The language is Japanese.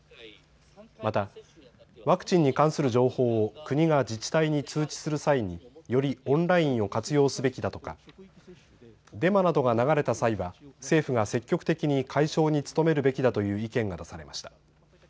また、ワクチンに関する情報を国が自治体に通知する際によりオンラインを活用すべきだとかデマなどが流れた際は政府が積極的に解消に努めるべきだという意見が出されました。